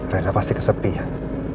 rena pasti kesepian